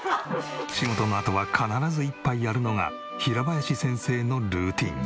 仕事のあとは必ず一杯やるのが平林先生のルーティン。